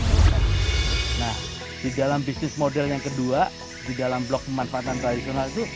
nah di dalam bisnis model yang kedua di dalam blok pemanfaatan tradisional itu